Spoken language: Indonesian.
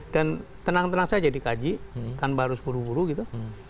dan tenang tenang saja dikaji tanpa harus buru buru gitu